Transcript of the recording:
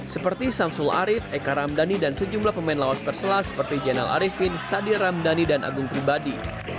seperti samsul arit eka ramdhani dan sejumlah pemain lawas persela seperti janel arifin sadir ramdhani dan agung pribadi